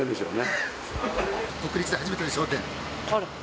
国立で初めての笑点。